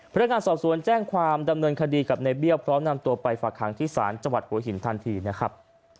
พนักงานสอบสวนแจ้งความดำเนินคดีกับในเบี้ยวพร้อมนำตัวไปฝากหางที่ศาลจังหวัดหัวหินทันทีนะครับ